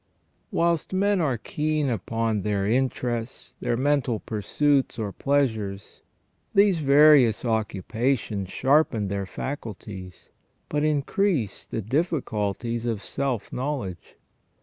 Whilst men are keen upon their interests, their mental pursuits or pleasures, these various occupations sharpen their faculties, but increase the difficulties of self knowledge.